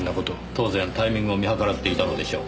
当然タイミングを見計らっていたのでしょう。